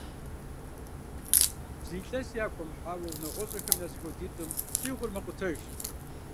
Зы илъэси яхуэмыхьауэ, унагъуэщӀэхэм я зэхуэдитӀым щӀигъур мэкъутэж.